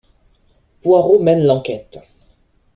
Poirot mène l'enquête...